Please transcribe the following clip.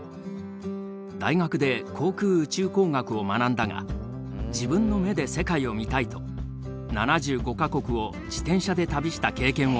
大学で航空宇宙工学を学んだが自分の目で世界を見たいと７５か国を自転車で旅した経験を持つ。